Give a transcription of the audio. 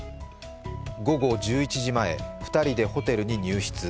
午後１１時前、２人でホテルに入室。